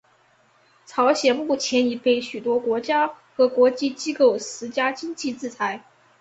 朝鲜目前已被许多国家和国际机构施加经济制裁。